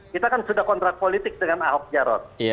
kita kan sudah kontrak politik dengan ahok jarot